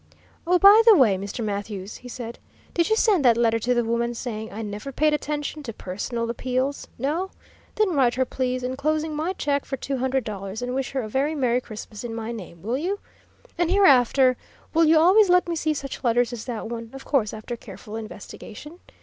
"Oh, by the way, Mr. Mathews," he said, "did you send that letter to the woman, saying I never paid attention to personal appeals? No? Then write her, please, enclosing my check for two hundred dollars, and wish her a very Merry Christmas in my name, will you? And hereafter will you always let me see such letters as that one of course after careful investigation?